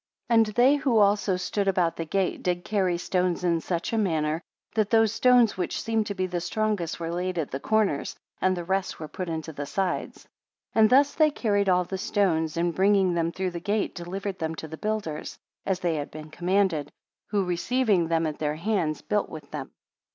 28 And they who also stood about the gate did carry stones in such a manner, that those stones which seemed to be the strongest were laid at the corners, and the rest were put into the sides; 29 And thus they carried all the stones, and bringing them through the gate delivered them to the builders, as they had been commanded: who receiving them at their hands, built with them.